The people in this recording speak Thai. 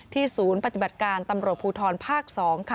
ศูนย์ปฏิบัติการตำรวจภูทรภาค๒